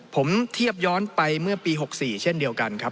ผมเทียบย้อนไปเมื่อปี๖๔เช่นเดียวกันครับ